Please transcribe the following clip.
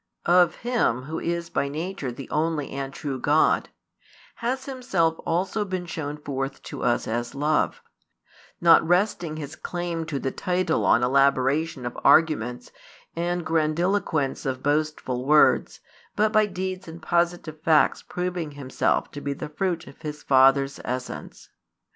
of Him Who is by nature the only and true God, has Himself also been shown forth to us as love; not resting His claim to the title on elaboration of arguments and grandiloquence of boastful words, but by deeds and positive facts proving Himself to be the Fruit of His Father's Essence.